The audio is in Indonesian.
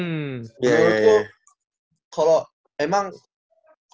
menurutku kalau emang kalau sesuai sikap